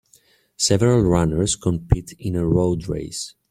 Several runners compete in a road race.